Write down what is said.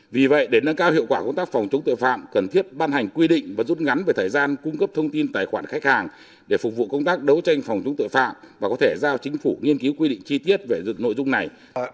vì vậy để nâng cao hiệu quả công tác phòng chống tội phạm cần thiết ban hành quy định và rút ngắn về thời gian cung cấp thông tin tài khoản khách hàng để phục vụ công tác đấu tranh phòng chống tội phạm và có thể giao chính phủ nghiên cứu quy định chi tiết về dựng nội dung này